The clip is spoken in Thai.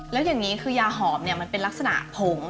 แล้วอย่างนี้คือยาหอมเนี่ยมันเป็นลักษณะผง